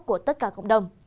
của tất cả cộng đồng